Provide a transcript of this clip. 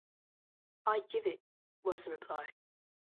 "I give it," was the reply.